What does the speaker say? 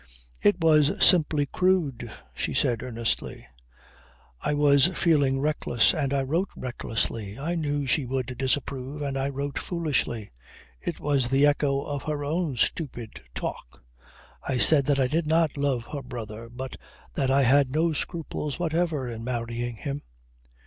"It was simply crude," she said earnestly. "I was feeling reckless and I wrote recklessly. I knew she would disapprove and I wrote foolishly. It was the echo of her own stupid talk. I said that I did not love her brother but that I had no scruples whatever in marrying him."